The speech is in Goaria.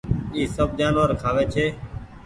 اي سب جآنور کآوي ڇي۔